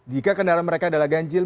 jika kendaraan mereka adalah ganjil